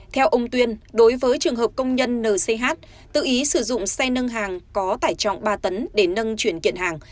theo ông tuyên đối với trường hợp công nhân nch tự ý sử dụng xe nâng hàng có tải trọng ba tấn để nâng chuyển kiện hàng